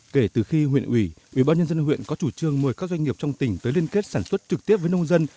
kể từ khi huyện ủy ubnd huyện có chủ trương mời các doanh nghiệp trong tỉnh tới liên kết sản xuất trực tiếp với nông dân